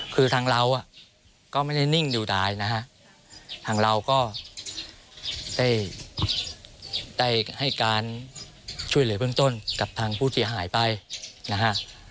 คือทางเราก็ไม่ได้นิ่งดูดายนะฮะทางเราก็ได้ให้การช่วยเหลือเบื้องต้นกับทางผู้เสียหายไปนะฮะ